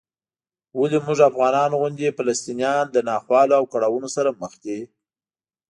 ولې موږ افغانانو غوندې فلسطینیان له ناخوالو او کړاوونو سره مخ دي؟